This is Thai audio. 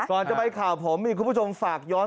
ก่อนจะไปข่าวผมคุณผู้ชมฝากย้อน